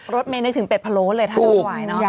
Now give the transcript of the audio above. รสไม่นึกถึงเป็ดพะโล้เลยถ้ารู้ไหว